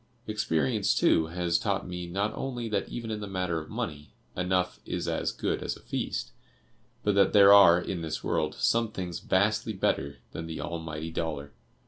Experience, too, has taught me not only that even in the matter of money, 'enough is as good as a feast,' but that there are, in this world, some things vastly better than the Almighty Dollar!